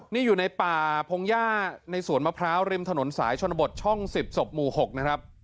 นี่อยู่ในป่าพงหญ้าในสวนมะพร้าวริมถนนสายชนบทช่อง๑๐ศพหมู่๖นะครับ